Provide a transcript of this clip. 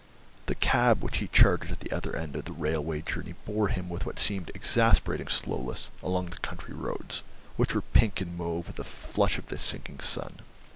The cab which he chartered at the other end of the railway journey bore him with what seemed exasperating slowness along the country roads, which were pink and mauve with the flush of the sinking sun.